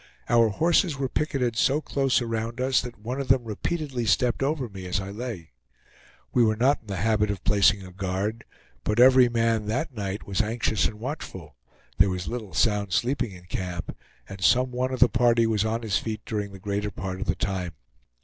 Our horses were picketed so close around us that one of them repeatedly stepped over me as I lay. We were not in the habit of placing a guard, but every man that night was anxious and watchful; there was little sound sleeping in camp, and some one of the party was on his feet during the greater part of the time.